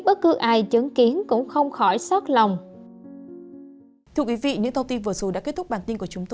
hãy đăng ký kênh để nhận thông tin nhất